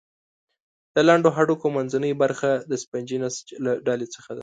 د لنډو هډوکو منځنۍ برخه د سفنجي نسج له ډلې څخه ده.